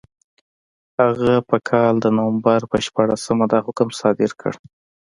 هغه په کال د نومبر په شپاړسمه دا حکم صادر کړ.